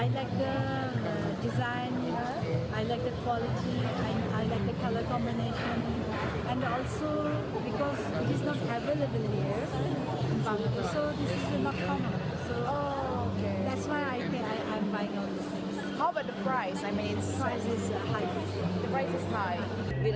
bagus saya suka desainnya saya suka kualitasnya saya suka kombinasi warna